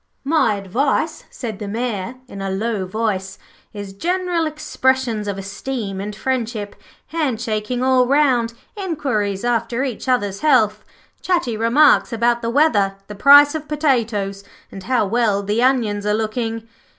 'My advice,' said the Mayor in a low voice, 'is general expressions of esteem and friendship, hand shaking all round, inquiries after each other's health, chatty remarks about the weather, the price of potatoes, and how well the onions are looking.'